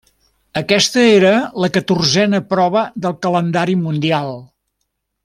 Aquesta era la catorzena prova del Calendari mundial.